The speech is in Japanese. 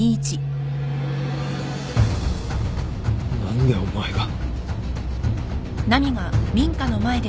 何でお前が！？